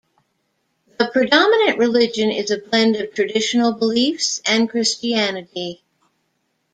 The predominant religion is a blend of traditional beliefs and Christianity.